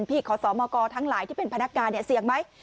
พี่ขอสรรมกทั้งหลายที่เป็นพนักงานเศียงไหม